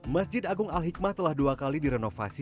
masjid agung al hikmah telah dua kali direnovasi